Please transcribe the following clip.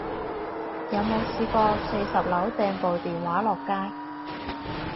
有冇試過四十樓掟部電話落街